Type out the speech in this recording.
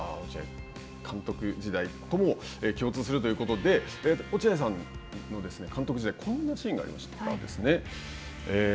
監督時代とも共通するということで落合さんの監督時代こんなシーンがありました。